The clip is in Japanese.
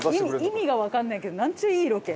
意味がわからないけどなんちゅういいロケ。